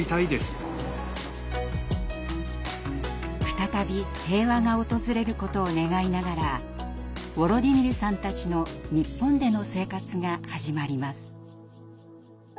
再び平和が訪れることを願いながらウォロディミルさんたちの日本での生活が始まります。